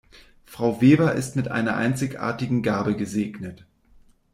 Frau Weber ist mit einer einzigartigen Gabe gesegnet.